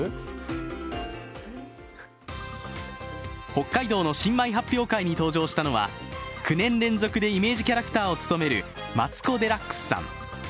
北海道の新米発表会に登場したのは９年連続でイメージキャラクターを務めるマツコ・デラックスさん。